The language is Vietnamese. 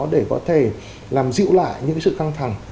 để có thể làm dịu lại những sự căng thẳng